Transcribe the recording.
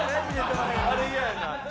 あれ嫌やな。